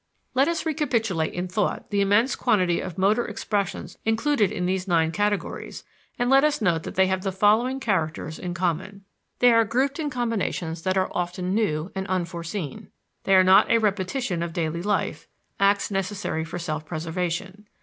Let us recapitulate in thought the immense quantity of motor expressions included in these nine categories and let us note that they have the following characters in common: They are grouped in combinations that are often new and unforeseen; they are not a repetition of daily life, acts necessary for self preservation.